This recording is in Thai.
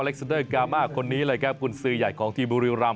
อเล็กซาเดอร์กามาคนนี้แหละครับคุณซื้อใหญ่ของทีมบุรีรัม